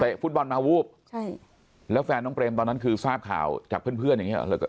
ฟุตบอลมาวูบใช่แล้วแฟนน้องเปรมตอนนั้นคือทราบข่าวจากเพื่อนเพื่อนอย่างเงี้เหรอ